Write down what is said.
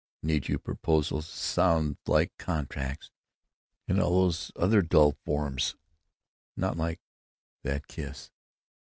"Need you? Proposals sound like contracts and all those other dull forms; not like—that kiss....